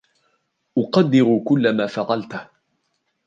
أقدر كل ما فعلته.